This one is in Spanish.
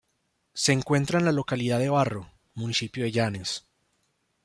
Se encuentra en la localidad de Barro, municipio de Llanes.